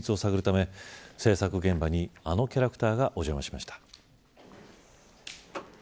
その人気の秘密を探るため制作現場に、あのキャラクターがお邪魔しました。